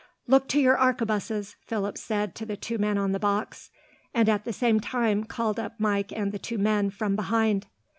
"Look to your arquebuses," Philip said to the two men on the box, and at the same time called up Mike and the two men, from behind.